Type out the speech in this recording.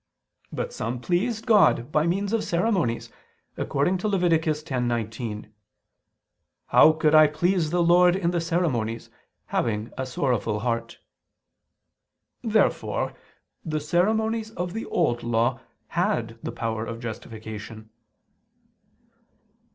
But some pleased God by means of ceremonies, according to Lev. 10:19: "How could I ... please the Lord in the ceremonies, having a sorrowful heart?" Therefore the ceremonies of the Old Law had the power of justification.